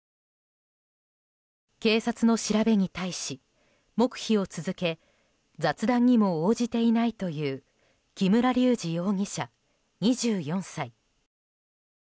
警察の調べに対し、黙秘を続け雑談にも応じていないという木村隆二容疑者、２４歳。